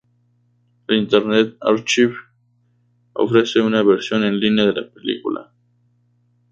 El Internet Archive ofrece una versión en línea de la película.